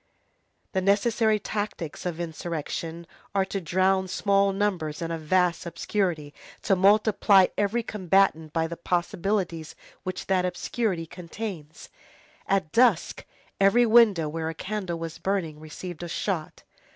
The necessary tactics of insurrection are to drown small numbers in a vast obscurity, to multiply every combatant by the possibilities which that obscurity contains. At dusk, every window where a candle was burning received a shot.